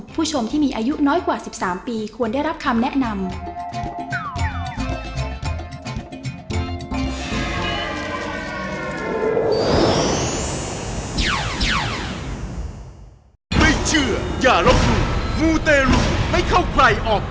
ผู้ชมที่มีอายุน้อยกว่า๑๓ปีควรได้รับคำแนะนำ